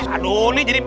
aduh nih jadi